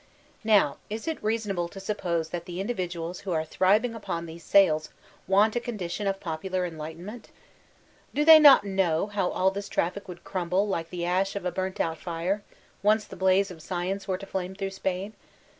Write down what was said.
Now, is it reasonable to suppose that the individuals who are thriving upon these sales, want a condition of popular enlightenment? Do they not know how all this traffic would crumble like the ash of a burnt out fire, ooce the blaze of science were to flame through Spain?